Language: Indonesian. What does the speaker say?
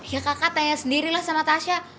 ya kakak tanya sendirilah sama tasha